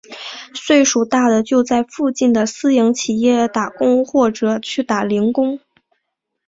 岁数大的就在附近的私营企业打工或者去打零工。